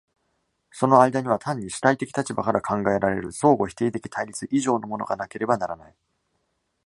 その間には単に主体的立場から考えられる相互否定的対立以上のものがなければならない。